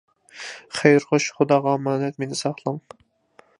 خەير خوش، خۇداغا ئامانەت، مېنى ساقلاڭ.